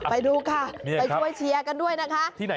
ไปดูค่ะไปช่วยเชียร์กันด้วยนะคะ